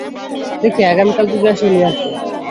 দেখি, আগামীকাল যদি আসে, নিয়ে আসব।